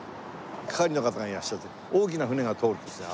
係の方がいらっしゃって大きな船が通るとですね